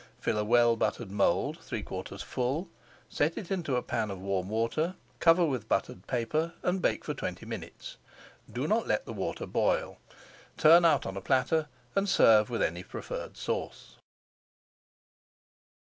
Fill a well buttered mould three quarters full, set it into a pan of warm water, cover with buttered paper, and bake for twenty minutes. Do not let the water boil. Turn out on a platter and serve with any preferred sauce.